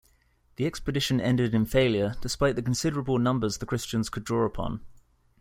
The expedition ended in failure, despite the considerable numbers the Christians could draw upon.